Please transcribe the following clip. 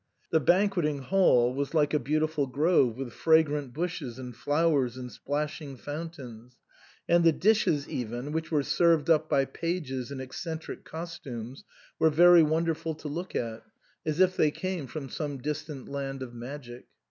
The banqueting hall was like a beautiful grove with fragrant bushes and flowers and splashing fountains; and the dishes even, which were served up by pages in eccentric cos tumes, were very wonderful to look at, as if they came from some distant land of magic.